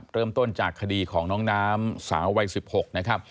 เริ่มต้นจากคดีของน้องน้ำสาววัย๑๖นะครับ